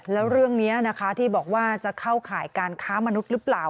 แล้วเรื่องนี้นะคะที่บอกว่าจะเข้าข่ายการค้ามนุษย์หรือเปล่า